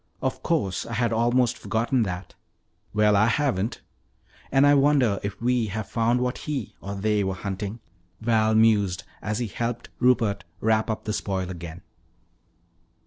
"Of course. I had almost forgotten that." "Well, I haven't! And I wonder if we have found what he or they were hunting," Val mused as he helped Rupert wrap up the spoil again.